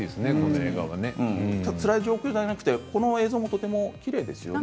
つらい状況ではなくてこの映像もとてもきれいですよね。